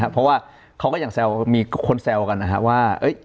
เพราะว่าเขาก็ยังแซวมีคนแซวกันนะครับว่า